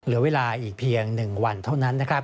เหลือเวลาอีกเพียง๑วันเท่านั้น